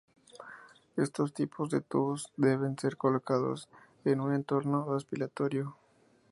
Estos tipos de tubos deben ser colocados en un entorno hospitalario.